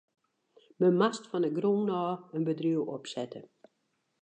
Men moast fan de grûn ôf in bedriuw opsette.